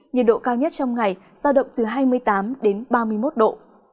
nhiệt độ cao nhất trong ngày do động từ hai mươi tám ba mươi một độ